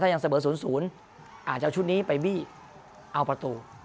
ยังเสมอ๐๐อาจจะเอาชุดนี้ไปบี้เอาประตู